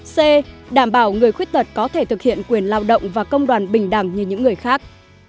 c đảm bảo người khuyết tật có thể thực hiện quyền lao động và công đoàn bình đẳng như những người khác